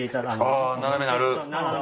あぁ斜めになる。